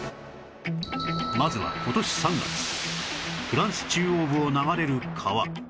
まずは今年３月フランス中央部を流れる川